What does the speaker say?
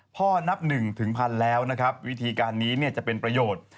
พอนับหนึ่งถึงพันแล้ววิธีการนี้จะเป็นประโยชน์